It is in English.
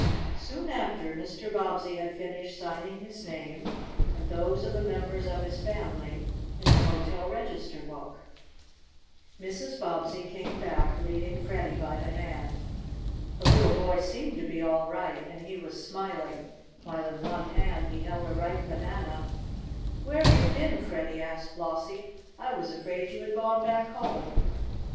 Soon after Mr. Bobbsey had finished signing his name and those of the members of his family in the hotel register book, Mrs. Bobbsey came back, leading Freddie by the hand. The little boy seemed to be all right, and he was smiling, while in one hand he held a ripe banana. "Where've you been, Freddie?" asked Flossie. "I was afraid you had gone back home."